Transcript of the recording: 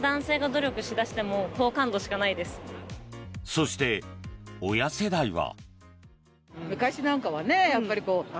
そして、親世代は。